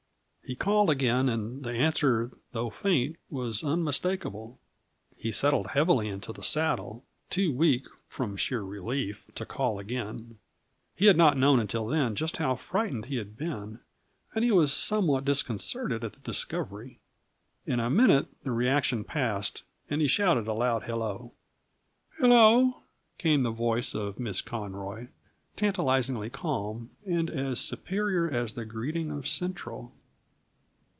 He called again, and the answer, though faint, was unmistakable. He settled heavily into the saddle too weak, from sheer relief, to call again. He had not known till then just how frightened he had been, and he was somewhat disconcerted at the discovery. In a minute the reaction passed and he shouted a loud hello. "Hello?" came the voice of Miss Conroy, tantalizingly calm, and as superior as the greeting of Central.